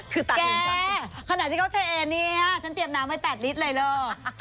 คือแกขณะที่เขาเทเนี่ยฉันเตรียมน้ำไว้๘ลิตรเลยเถอะ